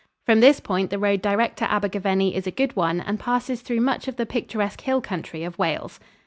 From this point the road direct to Abergavenny is a good one and passes through much of the picturesque hill country of Wales.